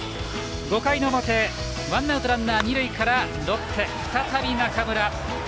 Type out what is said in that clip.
５回の表、ワンアウトランナー二塁からロッテ、再び中村。